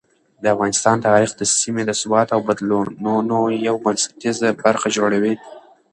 د افغانستان تاریخ د سیمې د ثبات او بدلونونو یو بنسټیزه برخه جوړوي.